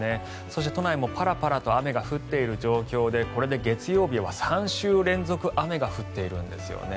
そして都内もパラパラと雨が降っている状況でこれで月曜日は３週連続雨が降っているんですよね。